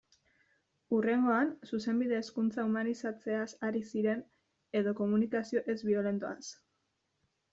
Hurrengoan, Zuzenbide-hezkuntza humanizatzeaz ari ziren, edo komunikazio ez-biolentoaz...